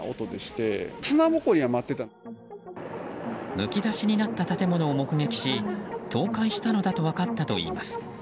むき出しになった建物を目撃し倒壊したのだと分かったといいます。